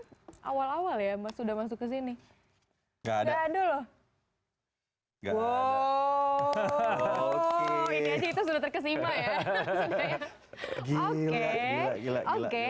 hai awal awal ya mas sudah masuk ke sini ga ada dulu hai wow itu sudah terkesima ya oke oke